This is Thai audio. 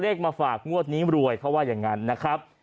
มาฝากงวดนี้รวยเขาว่าอย่างนั้นนะครับ